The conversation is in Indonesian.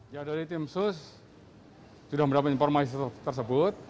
ya dari tim sus sudah mendapat informasi tersebut